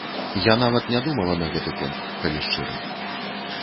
Я нават не думала на гэты конт, калі шчыра.